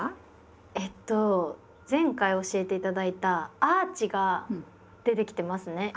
えっと前回教えて頂いたアーチが出てきてますね。